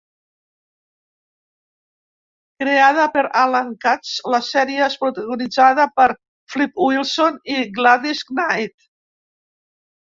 Creada per Allan Katz, la sèrie és protagonitzada per Flip Wilson i Gladys Knight.